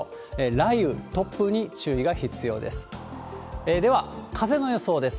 雷雨、突風に注意が必要です。